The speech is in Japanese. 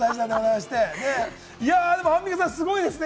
アンミカさん、すごいですね。